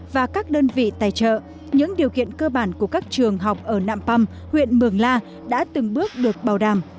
và các đơn vị tài trợ những điều kiện cơ bản của các trường học ở nạm păm huyện mường la đã từng bước được bảo đảm